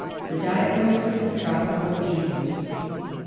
The Diagnosis of Tropical Fevers.